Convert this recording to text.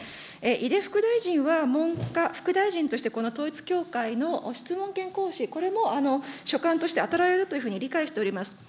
井出副大臣は、文科副大臣として、この統一教会の質問権行使、これも所管として与えられるというふうに理解しております。